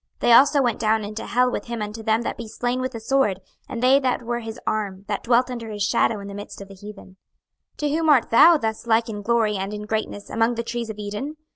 26:031:017 They also went down into hell with him unto them that be slain with the sword; and they that were his arm, that dwelt under his shadow in the midst of the heathen. 26:031:018 To whom art thou thus like in glory and in greatness among the trees of Eden?